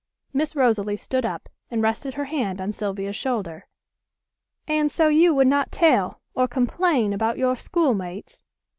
Miss Rosalie stood up, and rested her hand on Sylvia's shoulder. "And so you would not tell, or complain about your schoolmates?"